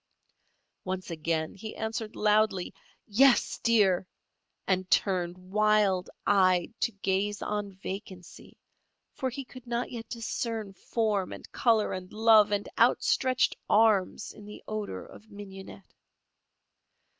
Once again he answered loudly: "Yes, dear!" and turned, wild eyed, to gaze on vacancy, for he could not yet discern form and colour and love and outstretched arms in the odour of mignonette.